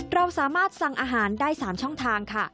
เราสามารถสั่งอาหารได้๓ช่องทางค่ะ